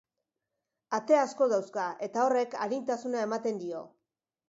Ate asko dauzka, eta horrek arintasuna ematen dio.